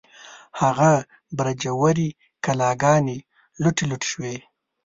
هغه برجورې کلاګانې، لوټې لوټې شوې